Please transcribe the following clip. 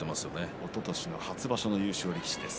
おととしの初場所の優勝力士です。